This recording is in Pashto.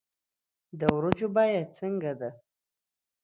د ورجو بیه څنګه ده